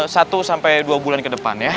satu sampai dua bulan ke depan ya